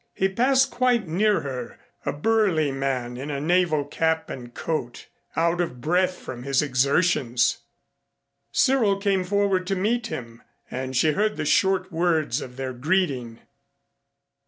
He passed quite near her, a burly man in a naval cap and coat, out of breath from his exertions. Cyril came forward to meet him, and she heard the short words of their greeting.